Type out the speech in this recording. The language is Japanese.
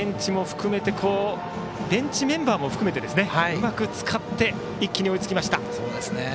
ベンチメンバーも含めてうまく使って一気に追いつきました。